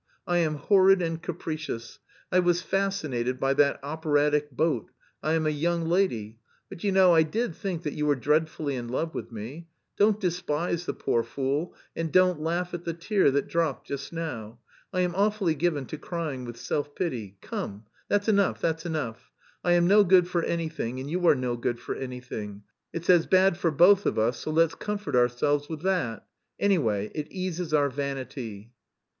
I am horrid and capricious, I was fascinated by that operatic boat, I am a young lady... but you know I did think that you were dreadfully in love with me. Don't despise the poor fool, and don't laugh at the tear that dropped just now. I am awfully given to crying with self pity. Come, that's enough, that's enough. I am no good for anything and you are no good for anything; it's as bad for both of us, so let's comfort ourselves with that. Anyway, it eases our vanity."